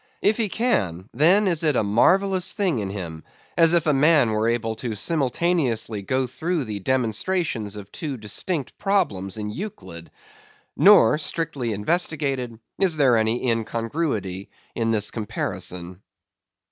If he can, then is it as marvellous a thing in him, as if a man were able simultaneously to go through the demonstrations of two distinct problems in Euclid. Nor, strictly investigated, is there any incongruity in this comparison.